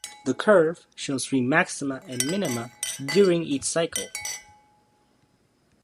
The curve shows three maxima and minima during each cycle.